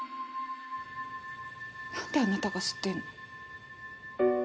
何であなたが知ってんの。